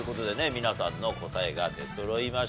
皆さんの答えが出そろいました。